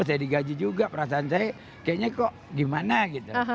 saya digaji juga perasaan saya kayaknya kok gimana gitu